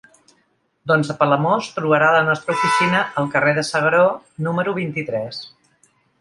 Doncs a Palamós trobarà la nostra oficina al carrer de s'Agaró número vint-i-tres.